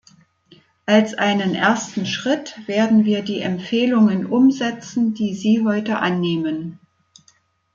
Als einen ersten Schritt werden wir die Empfehlungen umsetzen, die Sie heute annehmen.